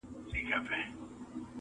زما له ستوني سلامت سر دي ایستلی.!